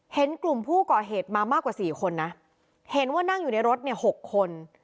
เห็นกลุ่มผู้ก่อเหตุมามากกว่าสี่คนนะเห็นว่านั่งอยู่ในรถเนี่ย๖คน